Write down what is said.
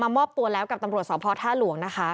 มอบตัวแล้วกับตำรวจสพท่าหลวงนะคะ